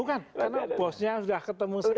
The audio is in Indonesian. bukan karena bosnya sudah ketemu sekarang